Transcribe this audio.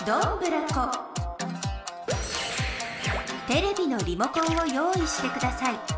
テレビのリモコンを用いしてください。